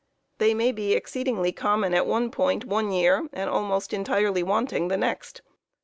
They may be exceedingly common at one point one year, and almost entirely wanting the next.